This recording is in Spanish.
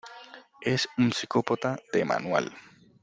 Es un psicópata de manual.